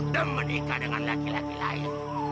dan menikah dengan laki laki lain